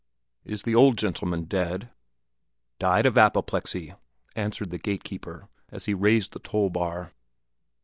"Is the old gentleman dead?" "Died of apoplexy," answered the gate keeper, as he raised the toll bar.